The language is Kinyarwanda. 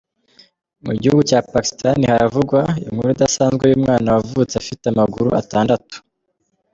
Mu gihugu cya Pakistan haravugwa inkuru idasanzwe y’umwana wavutse afite amaguru atandatu.